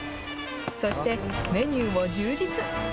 そしてメニューも充実。